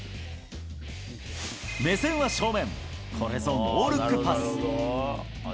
目線は正面、これぞ、ノールックパス。